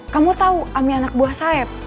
kamu tahu ami anak buah saya